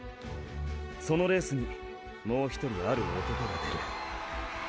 そのレースにもう一人ある男が出る。